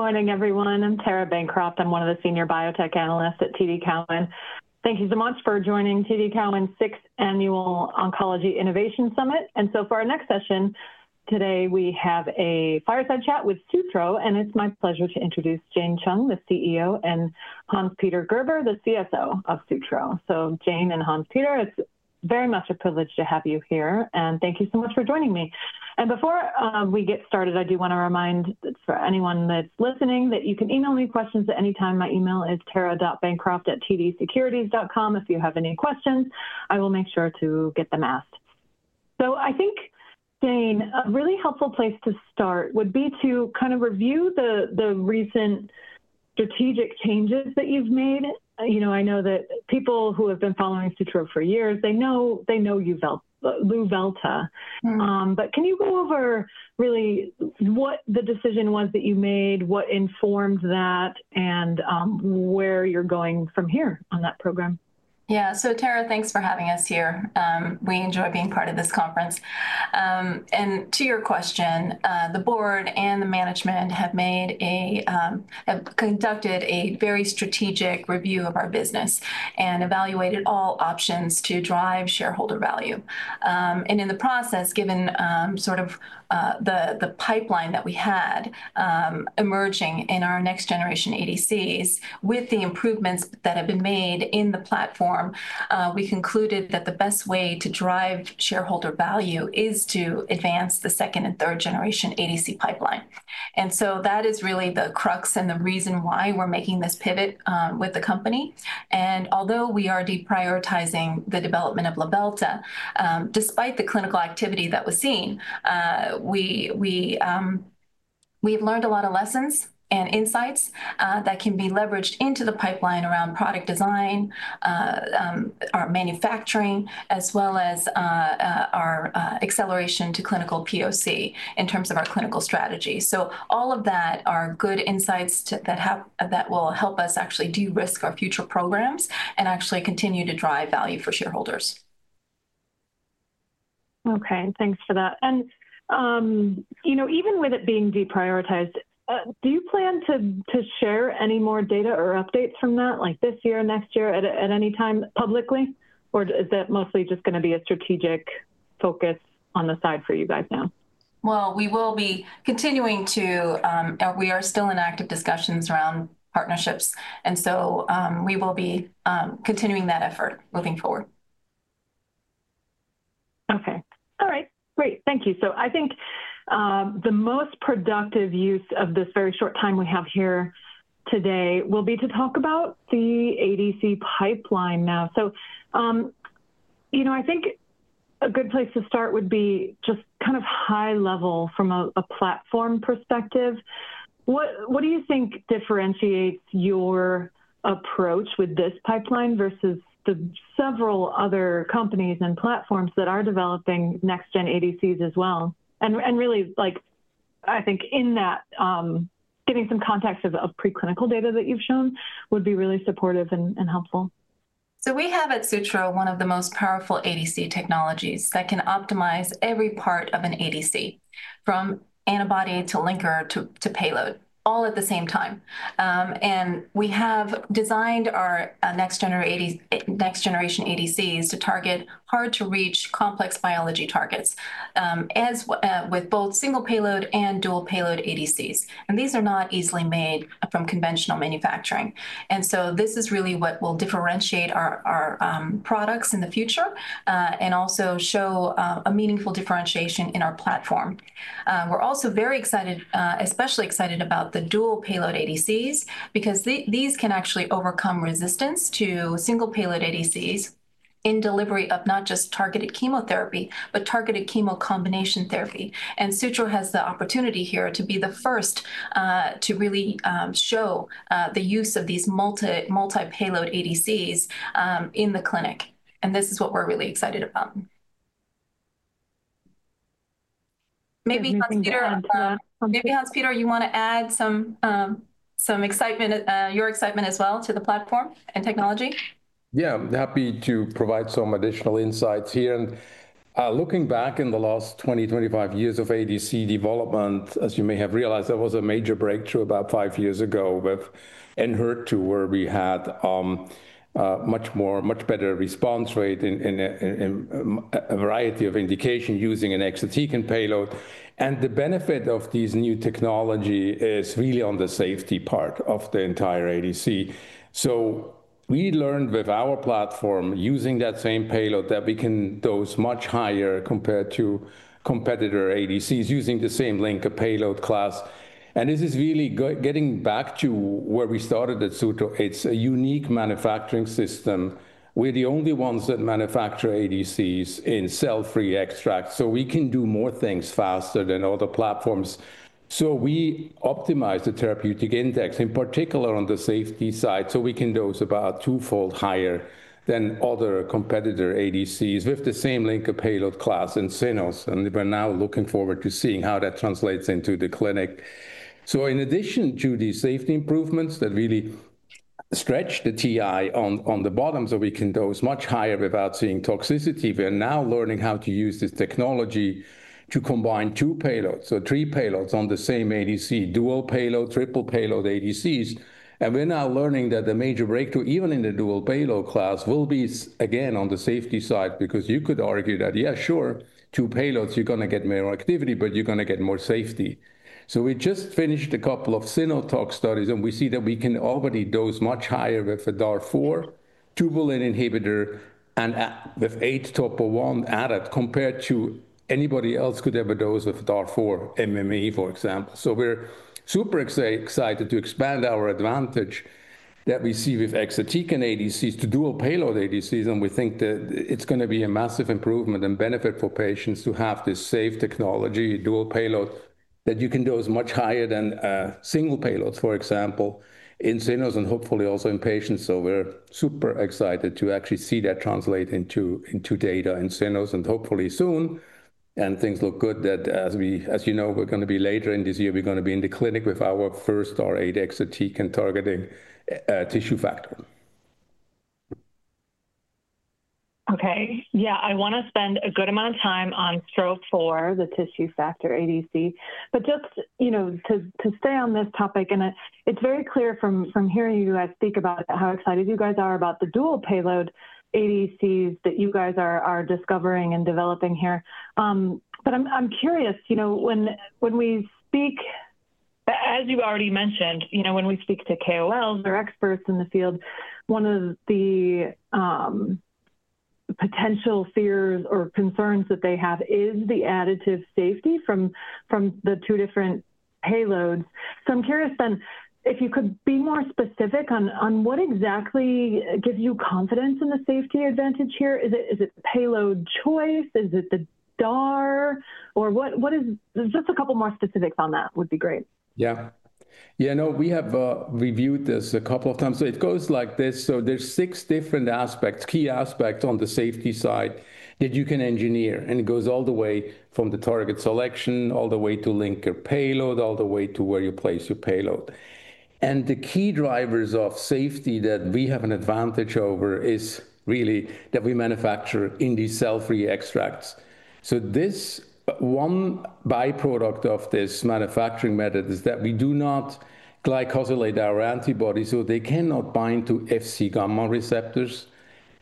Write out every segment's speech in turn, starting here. Good morning, everyone. I'm Tara Bancroft. I'm one of the senior biotech analysts at TD Cowen. Thank you so much for joining TD Cowen's sixth annual Oncology Innovation Summit. For our next session today, we have a fireside chat with Sutro, and it's my pleasure to introduce Jane Chung, the CEO, and Hans-Peter Gerber, the CSO of Sutro. Jane and Hans-Peter, it's very much a privilege to have you here, and thank you so much for joining me. Before we get started, I do want to remind anyone that's listening that you can email me questions at any time. My email is tara.bancroft@tdsecurities.com. If you have any questions, I will make sure to get them asked. I think, Jane, a really helpful place to start would be to kind of review the recent strategic changes that you've made. You know, I know that people who have been following Sutro for years, they know you've helped Luvelta. Can you go over really what the decision was that you made, what informed that, and where you're going from here on that program? Yeah, so Tara, thanks for having us here. We enjoy being part of this conference. To your question, the board and the management have conducted a very strategic review of our business and evaluated all options to drive shareholder value. In the process, given sort of the pipeline that we had emerging in our next generation ADCs with the improvements that have been made in the platform, we concluded that the best way to drive shareholder value is to advance the second and third generation ADC pipeline. That is really the crux and the reason why we're making this pivot with the company. Although we are deprioritizing the development of Luvelta, despite the clinical activity that was seen, we have learned a lot of lessons and insights that can be leveraged into the pipeline around product design, our manufacturing, as well as our acceleration to clinical POC in terms of our clinical strategy. All of that are good insights that will help us actually de-risk our future programs and actually continue to drive value for shareholders. Okay, thanks for that. You know, even with it being deprioritized, do you plan to share any more data or updates from that, like this year, next year, at any time publicly? Is that mostly just going to be a strategic focus on the side for you guys now? We will be continuing to, we are still in active discussions around partnerships. And so we will be continuing that effort moving forward. Okay. All right, great. Thank you. I think the most productive use of this very short time we have here today will be to talk about the ADC pipeline now. You know, I think a good place to start would be just kind of high level from a platform perspective. What do you think differentiates your approach with this pipeline versus the several other companies and platforms that are developing next gen ADCs as well? I think in that, getting some context of preclinical data that you've shown would be really supportive and helpful. We have at Sutro one of the most powerful ADC technologies that can optimize every part of an ADC, from antibody to linker to payload, all at the same time. We have designed our next generation ADCs to target hard to reach complex biology targets, as with both single payload and dual payload ADCs. These are not easily made from conventional manufacturing. This is really what will differentiate our products in the future and also show a meaningful differentiation in our platform. We are also very excited, especially excited about the dual payload ADCs, because these can actually overcome resistance to single payload ADCs in delivery of not just targeted chemotherapy, but targeted chemo combination therapy. Sutro has the opportunity here to be the first to really show the use of these multi-payload ADCs in the clinic. This is what we are really excited about. Maybe Hans-Peter, you want to add some excitement, your excitement as well to the platform and technology? Yeah, I'm happy to provide some additional insights here. Looking back in the last 20-25 years of ADC development, as you may have realized, there was a major breakthrough about five years ago with Enhertu where we had much better response rate in a variety of indications using an exatecan payload. The benefit of this new technology is really on the safety part of the entire ADC. We learned with our platform using that same payload that we can dose much higher compared to competitor ADCs using the same linker payload class. This is really getting back to where we started at Sutro. It's a unique manufacturing system. We're the only ones that manufacture ADCs in cell-free extract. We can do more things faster than other platforms. We optimize the therapeutic index, in particular on the safety side, so we can dose about twofold higher than other competitor ADCs with the same linker payload class in cynos. We are now looking forward to seeing how that translates into the clinic. In addition to these safety improvements that really stretch the TI on the bottom, so we can dose much higher without seeing toxicity, we are now learning how to use this technology to combine two payloads, so three payloads on the same ADC, dual payload, triple payload ADCs. We are now learning that the major breakthrough, even in the dual payload class, will be again on the safety side, because you could argue that, yeah, sure, two payloads, you are going to get more activity, but you are going to get more safety. We just finished a couple of cynos tox studies, and we see that we can already dose much higher with a DAR4 tubulin inhibitor and with eight TOPO-1 added compared to anybody else could ever dose with DAR4 MME, for example. We are super excited to expand our advantage that we see with exatecan ADCs to dual payload ADCs. We think that it is going to be a massive improvement and benefit for patients to have this safe technology, dual payload, that you can dose much higher than single payloads, for example, in cynos and hopefully also in patients. We are super excited to actually see that translate into data in cynos and hopefully soon. Things look good that as you know, we're going to be later in this year, we're going to be in the clinic with our first DAR8 exatecan targeting tissue factor. Okay, yeah, I want to spend a good amount of time on Sutro for the tissue factor ADC. Just, you know, to stay on this topic, and it's very clear from hearing you guys speak about how excited you guys are about the dual payload ADCs that you guys are discovering and developing here. I'm curious, you know, when we speak, as you've already mentioned, you know, when we speak to KOLs or experts in the field, one of the potential fears or concerns that they have is the additive safety from the two different payloads. I'm curious then, if you could be more specific on what exactly gives you confidence in the safety advantage here. Is it payload choice? Is it the DAR? Or what is just a couple more specifics on that would be great. Yeah, yeah, no, we have reviewed this a couple of times. It goes like this. There are six different aspects, key aspects on the safety side that you can engineer. It goes all the way from the target selection, all the way to linker payload, all the way to where you place your payload. The key drivers of safety that we have an advantage over is really that we manufacture in these cell-free extracts. One byproduct of this manufacturing method is that we do not glycosylate our antibodies, so they cannot bind to Fc gamma receptors.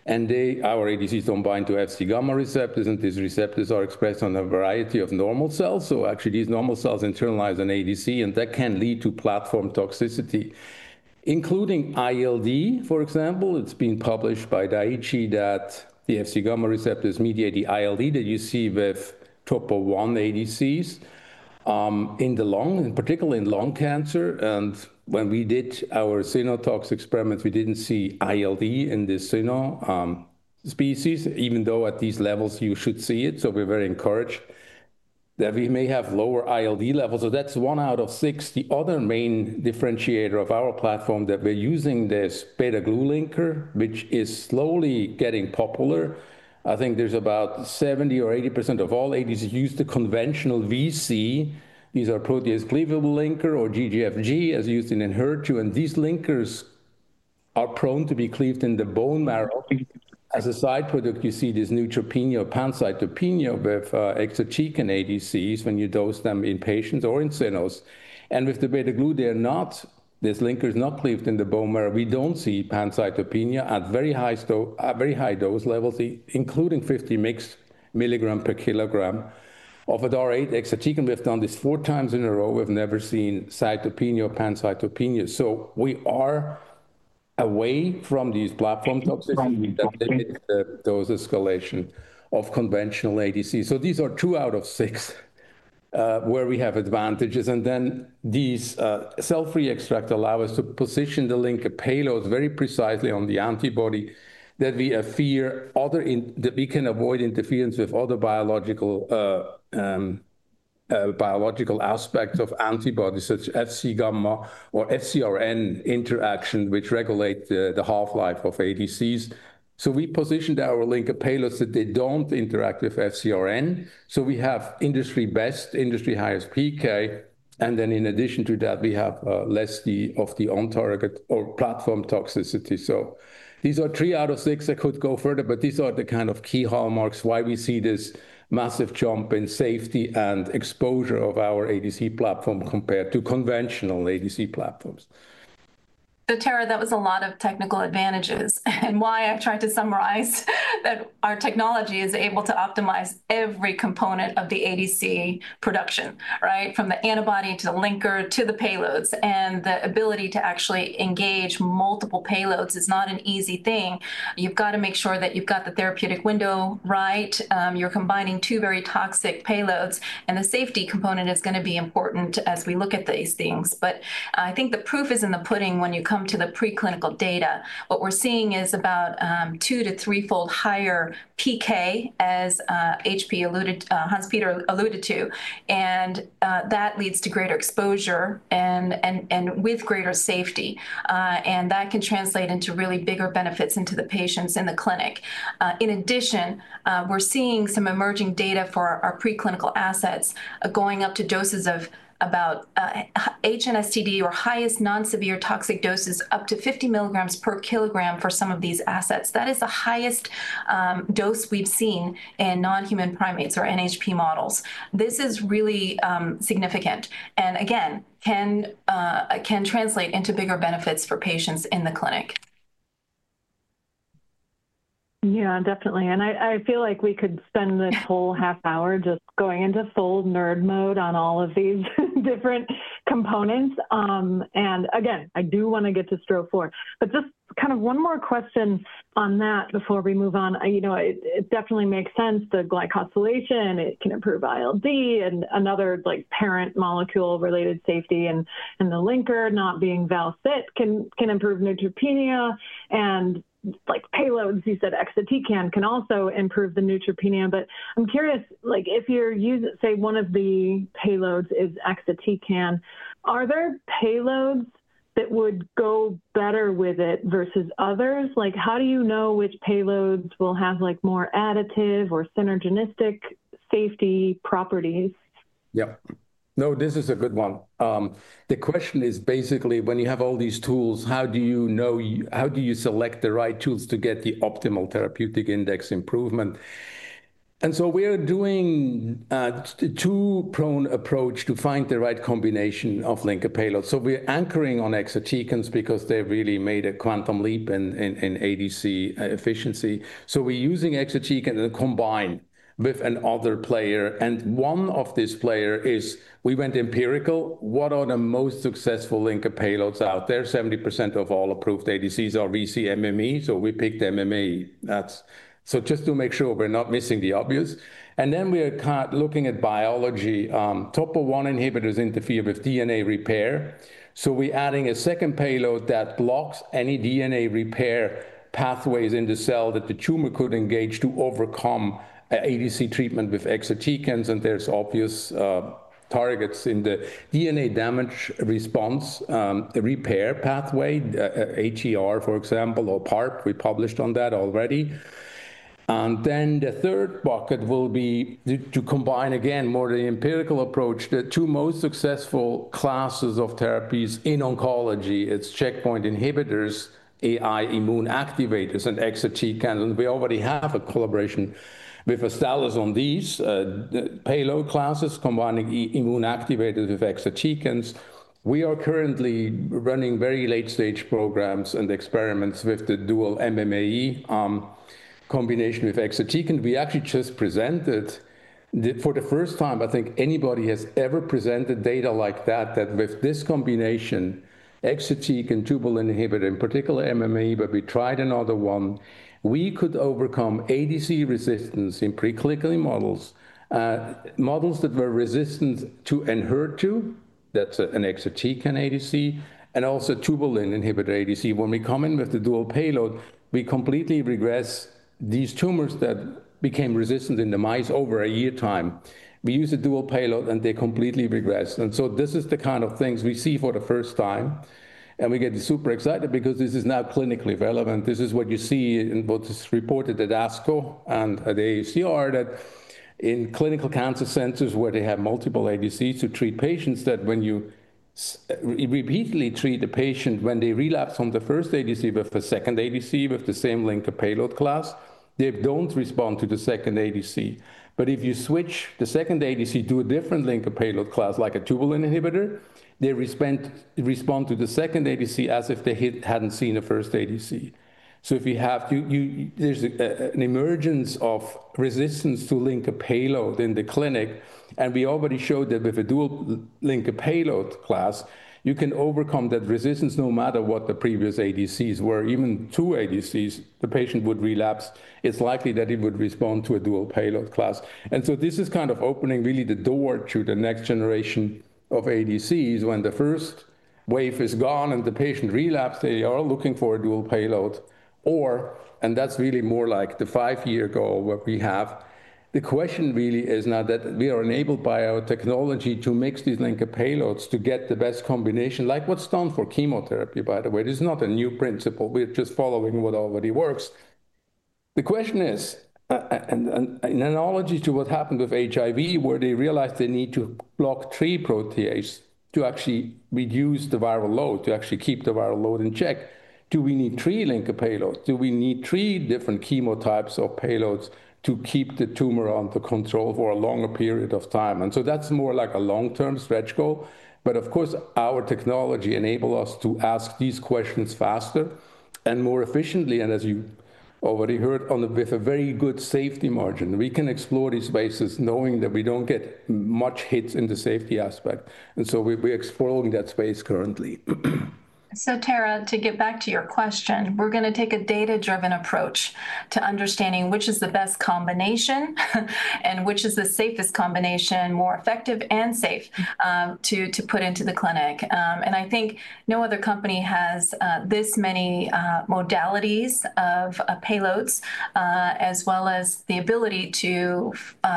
Our ADCs do not bind to Fc gamma receptors. These receptors are expressed on a variety of normal cells. Actually, these normal cells internalize an ADC, and that can lead to platform toxicity, including ILD, for example. It's been published by Daiichi that the Fc gamma receptors mediate the ILD that you see TOPO-1 ADCs in the lung, particularly in lung cancer. When we did our cynos tox experiments, we did not see ILD in this cyno species, even though at these levels you should see it. We are very encouraged that we may have lower ILD levels. That is one out of six. The other main differentiator of our platform is that we are using this beta-glue linker, which is slowly getting popular. I think there is about 70% or 80% of all ADCs used to conventional VC. These are protease-cleavable linkers or GGFG as used in Enhertu. These linkers are prone to be cleaved in the bone marrow. As a side product, you see this neutropenia or pancytopenia with exatecan ADCs when you dose them in patients or in cynos. With the beta-glue, they're not, this linker is not cleaved in the bone marrow. We don't see pancytopenia at very high dose levels, including 50 mg per kg of a DAR8 exatecan. We've done this four times in a row. We've never seen cytopenia or pancytopenia. We are away from these platform toxicities that limit the dose escalation of conventional ADCs. These are two out of six where we have advantages. These cell-free extracts allow us to position the linker payloads very precisely on the antibody that we fear other, that we can avoid interference with other biological aspects of antibodies such as Fc gamma or FcRn interaction, which regulate the half-life of ADCs. We positioned our linker payloads so that they don't interact with FcRn. We have industry best, industry highest PK. In addition to that, we have less of the on-target or platform toxicity. These are three out of six. I could go further, but these are the kind of key hallmarks why we see this massive jump in safety and exposure of our ADC platform compared to conventional ADC platforms. Tara, that was a lot of technical advantages. I tried to summarize that our technology is able to optimize every component of the ADC production, right, from the antibody to the linker to the payloads. The ability to actually engage multiple payloads is not an easy thing. You've got to make sure that you've got the therapeutic window right. You're combining two very toxic payloads. The safety component is going to be important as we look at these things. I think the proof is in the pudding when you come to the preclinical data. What we're seeing is about two to threefold higher PK, as HP alluded, Hans-Peter alluded to. That leads to greater exposure and with greater safety. That can translate into really bigger benefits into the patients in the clinic. In addition, we're seeing some emerging data for our preclinical assets going up to doses of about HNSTD or highest non-severe toxic doses up to 50 mg per kg for some of these assets. That is the highest dose we've seen in non-human primates or NHP models. This is really significant. Again, can translate into bigger benefits for patients in the clinic. Yeah, definitely. I feel like we could spend this whole half hour just going into full nerd mode on all of these different components. I do want to get to Sutro for, but just kind of one more question on that before we move on. You know, it definitely makes sense, the glycosylation, it can improve ILD and another parent molecule related safety, and the linker not being Val-Cit can improve neutropenia. Like payloads, you said exatecan can also improve the neutropenia. I'm curious, like if you're using, say one of the payloads is exatecan, are there payloads that would go better with it versus others? How do you know which payloads will have more additive or synergistic safety properties? Yeah, no, this is a good one. The question is basically when you have all these tools, how do you know, how do you select the right tools to get the optimal therapeutic index improvement? We are doing a two-pronged approach to find the right combination of linker payloads. We are anchoring on exatecans because they have really made a quantum leap in ADC efficiency. We are using exatecan and then combined with another player. One of these players is we went empirical. What are the most successful linker payloads out there? 70% of all approved ADCs are VC MME. We picked MME just to make sure we are not missing the obvious. We are looking at biology. TOPO-1 inhibitors interfere with DNA repair. We're adding a second payload that blocks any DNA repair pathways in the cell that the tumor could engage to overcome ADC treatment with exatecans. There are obvious targets in the DNA damage response repair pathway, ATR for example, or PARP. We published on that already. The third bucket will be to combine again more of the empirical approach to most successful classes of therapies in oncology. It's checkpoint inhibitors, AI immune activators, and exatecans. We already have a collaboration with Astellas on these payload classes combining immune activators with exatecans. We are currently running very late stage programs and experiments with the dual MME combination with exatecans. We actually just presented for the first time, I think anybody has ever presented data like that, that with this combination, exatecan and tubulin inhibitor, in particular MME, but we tried another one, we could overcome ADC resistance in preclinical models, models that were resistant to Enhertu, that is an exatecan ADC, and also tubulin inhibitor ADC. When we come in with the dual payload, we completely regress these tumors that became resistant in the mice over a year time. We use a dual payload and they completely regress. This is the kind of things we see for the first time. We get super excited because this is now clinically relevant. This is what you see in what is reported at ASCO and at ACR that in clinical cancer centers where they have multiple ADCs to treat patients that when you repeatedly treat the patient when they relapse on the first ADC with the second ADC with the same linker payload class, they do not respond to the second ADC. If you switch the second ADC to a different linker payload class like a tubulin inhibitor, they respond to the second ADC as if they had not seen a first ADC. If you have to, there is an emergence of resistance to linker payload in the clinic. We already showed that with a dual linker payload class, you can overcome that resistance no matter what the previous ADCs were, even two ADCs, the patient would relapse. It is likely that it would respond to a dual payload class. This is kind of opening really the door to the next generation of ADCs when the first wave is gone and the patient relapse, they are all looking for a dual payload. That is really more like the five-year goal what we have. The question really is now that we are enabled by our technology to mix these linker payloads to get the best combination, like what is done for chemotherapy, by the way. It is not a new principle. We are just following what already works. The question is, and in analogy to what happened with HIV, where they realized they need to block three protease to actually reduce the viral load, to actually keep the viral load in check, do we need three linker payloads? Do we need three different chemotypes or payloads to keep the tumor under control for a longer period of time? That is more like a long-term stretch goal. Of course, our technology enables us to ask these questions faster and more efficiently. As you already heard, with a very good safety margin, we can explore these spaces knowing that we do not get many hits in the safety aspect. We are exploring that space currently. Tara, to get back to your question, we're going to take a data-driven approach to understanding which is the best combination and which is the safest combination, more effective and safe to put into the clinic. I think no other company has this many modalities of payloads, as well as the ability to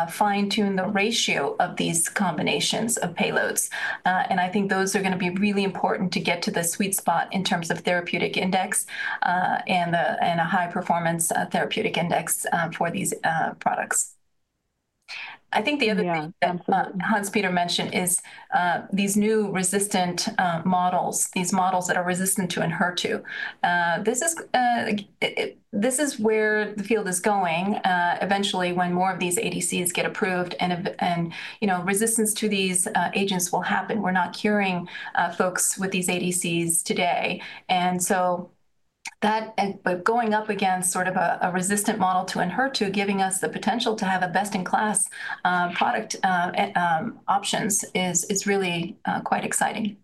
fine-tune the ratio of these combinations of payloads. I think those are going to be really important to get to the sweet spot in terms of therapeutic index and a high-performance therapeutic index for these products. I think the other thing that Hans-Peter mentioned is these new resistant models, these models that are resistant to Enhertu. This is where the field is going eventually when more of these ADCs get approved and resistance to these agents will happen. We're not curing folks with these ADCs today. That, but going up against sort of a resistant model to Enhertu, giving us the potential to have a best-in-class product options is really quite exciting.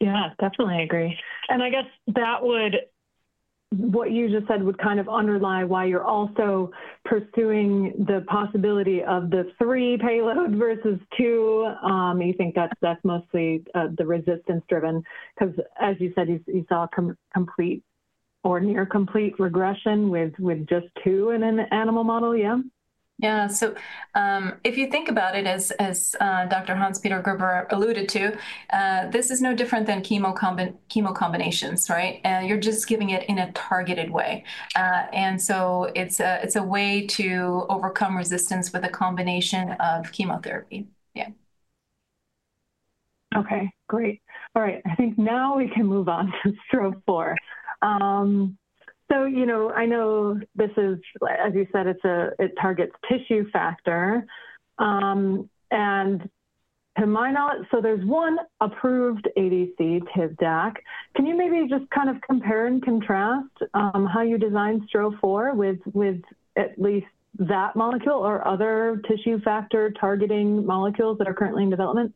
Yeah, definitely agree. I guess that would, what you just said would kind of underlie why you're also pursuing the possibility of the three payload versus two. You think that's mostly the resistance-driven? Because as you said, you saw complete or near complete regression with just two in an animal model, yeah? Yeah. If you think about it, as Dr. Hans-Peter Gerber alluded to, this is no different than chemo combinations, right? You're just giving it in a targeted way. It's a way to overcome resistance with a combination of chemotherapy. Yeah. Okay, great. All right. I think now we can move on to STRO-004. You know, I know this is, as you said, it targets tissue factor. To my knowledge, there's one approved ADC, Tisotumab vedotin. Can you maybe just kind of compare and contrast how you design STRO-004 with at least that molecule or other tissue factor targeting molecules that are currently in development?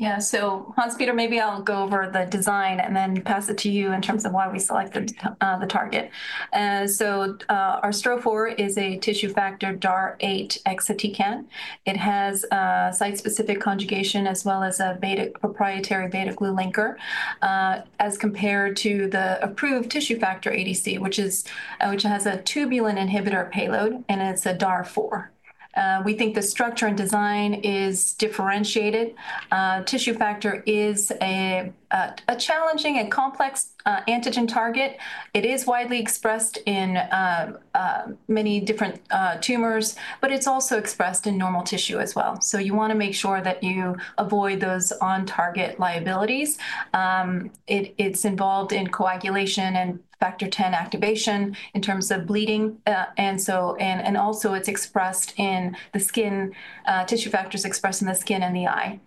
Yeah. Hans-Peter, maybe I'll go over the design and then pass it to you in terms of why we selected the target. Our STRO-004 is a tissue factor DAR8 exatecan. It has site-specific conjugation as well as a proprietary beta-glue linker as compared to the approved tissue factor ADC, which has a tubulin inhibitor payload and it's a DAR4. We think the structure and design is differentiated. Tissue factor is a challenging and complex antigen target. It is widely expressed in many different tumors, but it's also expressed in normal tissue as well. You want to make sure that you avoid those on-target liabilities. It's involved in coagulation and factor X activation in terms of bleeding. It is also expressed in the skin, tissue factor is expressed in the skin and the eye.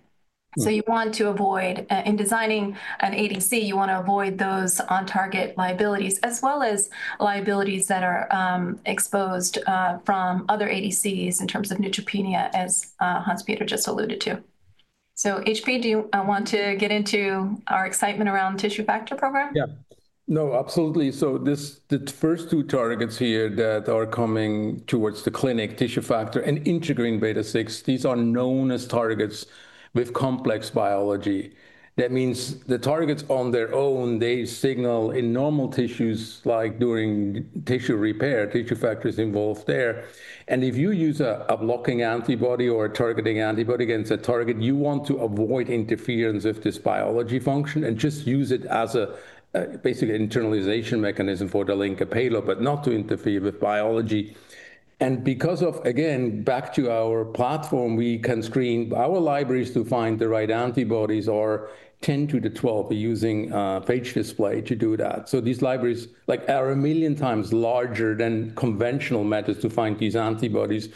You want to avoid, in designing an ADC, you want to avoid those on-target liabilities as well as liabilities that are exposed from other ADCs in terms of neutropenia, as Hans-Peter just alluded to. HP, do you want to get into our excitement around the tissue factor program? Yeah. No, absolutely. The first two targets here that are coming towards the clinic, tissue factor and integrin beta-6, these are known as targets with complex biology. That means the targets on their own, they signal in normal tissues like during tissue repair, tissue factor is involved there. If you use a blocking antibody or a targeting antibody against a target, you want to avoid interference with this biology function and just use it as a basically internalization mechanism for the linker payload, but not to interfere with biology. Because of, again, back to our platform, we can screen our libraries to find the right antibodies or 10 to the 12 using phage display to do that. These libraries are a million times larger than conventional methods to find these antibodies.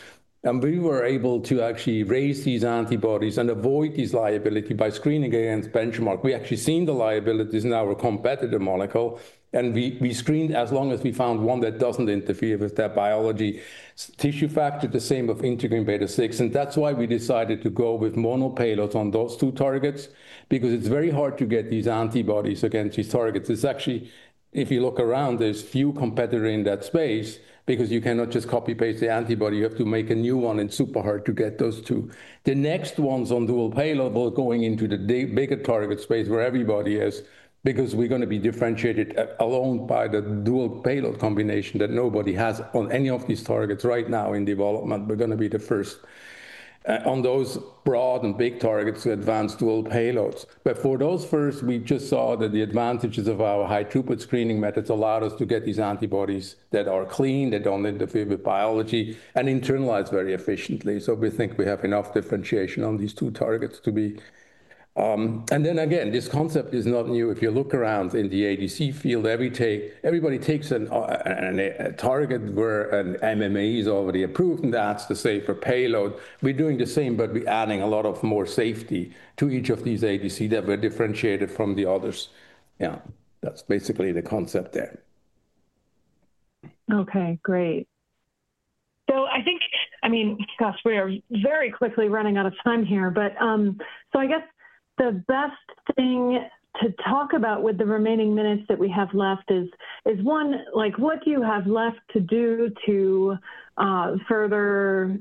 We were able to actually raise these antibodies and avoid this liability by screening against benchmark. We actually seen the liabilities in our competitor molecule. We screened as long as we found one that doesn't interfere with that biology. Tissue factor, the same of integrin beta-6. That's why we decided to go with mono payloads on those two targets, because it's very hard to get these antibodies against these targets. It's actually, if you look around, there's few competitors in that space because you cannot just copy-paste the antibody. You have to make a new one and super hard to get those two. The next ones on dual payload were going into the bigger target space where everybody is because we're going to be differentiated alone by the dual payload combination that nobody has on any of these targets right now in development. We're going to be the first on those broad and big targets to advance dual payloads. For those first, we just saw that the advantages of our high throughput screening methods allowed us to get these antibodies that are clean, that do not interfere with biology and internalize very efficiently. We think we have enough differentiation on these two targets to be. This concept is not new. If you look around in the ADC field, everybody takes a target where an MME is already approved and that is the safer payload. We are doing the same, but we are adding a lot more safety to each of these ADC that were differentiated from the others. Yeah, that is basically the concept there. Okay, great. I think, I mean, gosh, we are very quickly running out of time here, but I guess the best thing to talk about with the remaining minutes that we have left is, one, what do you have left to do to further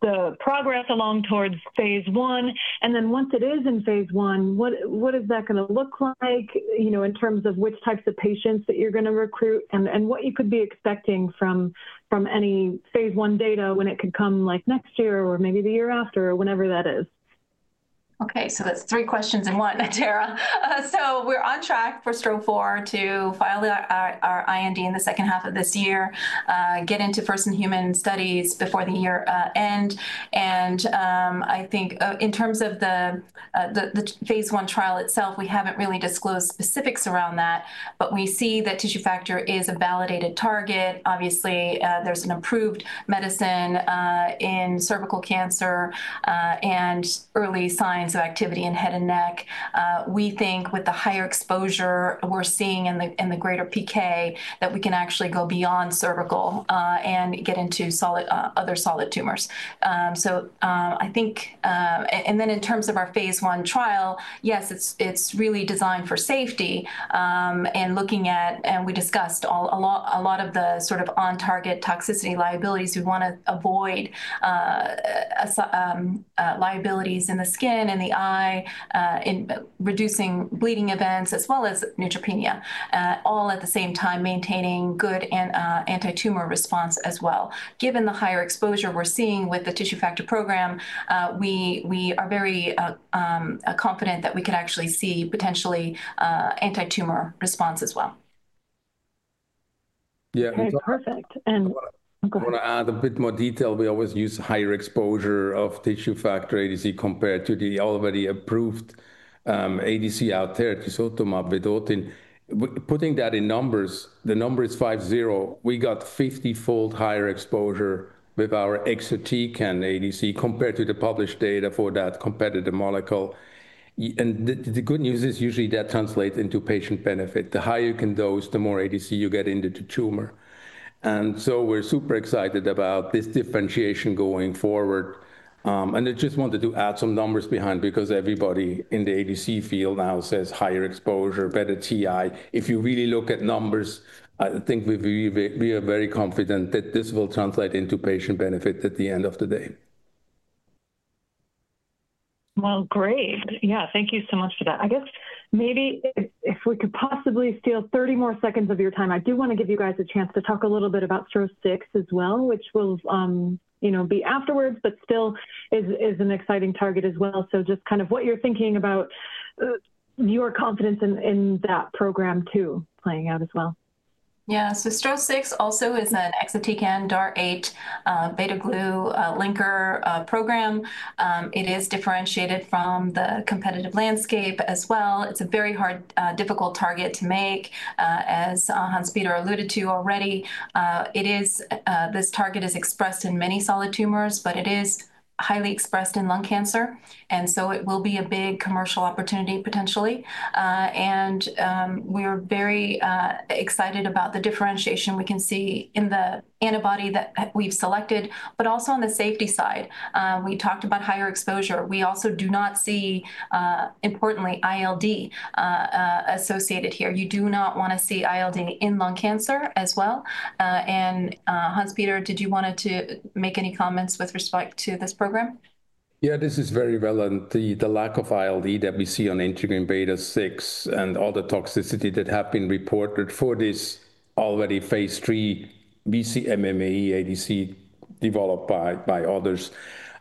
the progress along towards phase I? Once it is in phase I, what is that going to look like in terms of which types of patients that you're going to recruit and what you could be expecting from any phase I data, when it could come, like next year or maybe the year after or whenever that is? Okay, so that's three questions in one, Tara. We're on track for STRO-004 to file our IND in the second half of this year, get into first-in-human studies before the year end. I think in terms of the phase I trial itself, we haven't really disclosed specifics around that, but we see that tissue factor is a validated target. Obviously, there's an approved medicine in cervical cancer and early signs of activity in head and neck. We think with the higher exposure we're seeing in the greater PK that we can actually go beyond cervical and get into other solid tumors. I think, in terms of our phase I trial, yes, it's really designed for safety and looking at, and we discussed a lot of the sort of on-target toxicity liabilities. We want to avoid liabilities in the skin, in the eye, in reducing bleeding events as well as neutropenia, all at the same time maintaining good anti-tumor response as well. Given the higher exposure we're seeing with the tissue factor program, we are very confident that we could actually see potentially anti-tumor response as well. Yeah. Perfect. I want to add a bit more detail. We always use higher exposure of tissue factor ADC compared to the already approved ADC out there, Tisotumab vedotin. Putting that in numbers, the number is 50. We got 50-fold higher exposure with our exatecan ADC compared to the published data for that competitor molecule. The good news is usually that translates into patient benefit. The higher you can dose, the more ADC you get into the tumor. We are super excited about this differentiation going forward. I just wanted to add some numbers behind because everybody in the ADC field now says higher exposure, better TI. If you really look at numbers, I think we are very confident that this will translate into patient benefit at the end of the day. Great. Yeah, thank you so much for that. I guess maybe if we could possibly steal 30 more seconds of your time, I do want to give you guys a chance to talk a little bit about STRO-006 as well, which will be afterwards, but still is an exciting target as well. Just kind of what you're thinking about your confidence in that program too playing out as well. Yeah, so STRO-006 also is an exatecan and DAR8 beta-glue linker program. It is differentiated from the competitive landscape as well. It's a very hard, difficult target to make. As Hans-Peter alluded to already, this target is expressed in many solid tumors, but it is highly expressed in lung cancer. It will be a big commercial opportunity potentially. We are very excited about the differentiation we can see in the antibody that we've selected, but also on the safety side. We talked about higher exposure. We also do not see, importantly, ILD associated here. You do not want to see ILD in lung cancer as well. Hans-Peter, did you want to make any comments with respect to this program? Yeah, this is very relevant. The lack of ILD that we see on integrin beta-6 and all the toxicity that have been reported for this already phase three BCMMA ADC developed by others.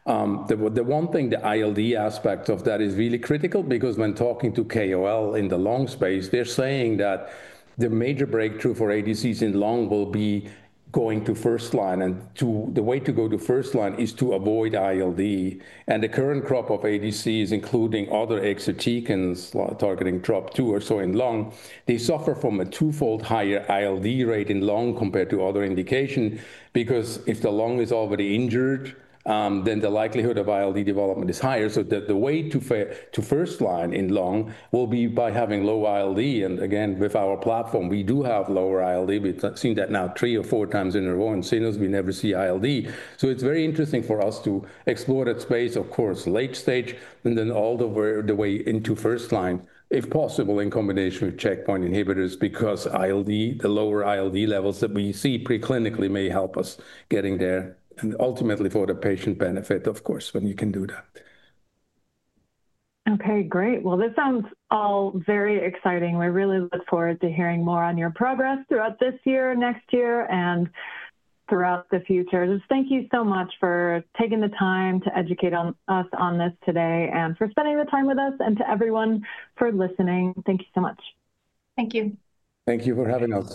The one thing, the ILD aspect of that is really critical because when talking to KOL in the lung space, they're saying that the major breakthrough for ADCs in lung will be going to first line. The way to go to first line is to avoid ILD. The current crop of ADCs, including other exatecans targeting crop two or so in lung, they suffer from a twofold higher ILD rate in lung compared to other indications. Because if the lung is already injured, then the likelihood of ILD development is higher. The way to first line in lung will be by having low ILD. Again, with our platform, we do have lower ILD. We've seen that now three or four times in a row. In cynos, we never see ILD. It is very interesting for us to explore that space, of course, late stage, and then all the way into first line, if possible, in combination with checkpoint inhibitors because ILD, the lower ILD levels that we see preclinically may help us getting there. Ultimately for the patient benefit, of course, when you can do that. Okay, great. This sounds all very exciting. We really look forward to hearing more on your progress throughout this year, next year, and throughout the future. Just thank you so much for taking the time to educate us on this today and for spending the time with us. To everyone for listening, thank you so much. Thank you. Thank you for having us.